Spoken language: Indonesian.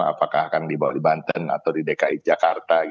apakah akan dibawa di banten atau di dki jakarta